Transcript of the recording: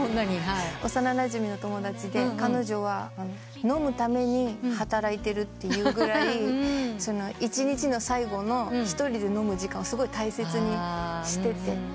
幼なじみの友達で彼女は飲むために働いてるっていうぐらい一日の最後の一人で飲む時間をすごい大切にしてて。